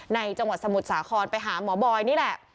จังหวัดสมุทรสาครไปหาหมอบอยนี่แหละ